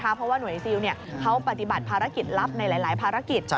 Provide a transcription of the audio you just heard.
เพราะว่าหน่วยซิลเขาปฏิบัติภารกิจลับในหลายภารกิจ